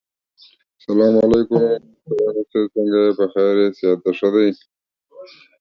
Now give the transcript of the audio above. It is endemic to the Azores in the eastern Atlantic Ocean.